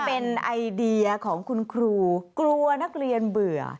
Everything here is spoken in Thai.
เป็นไอเดียของคุณครูกลัวนักเรียนเบื่อ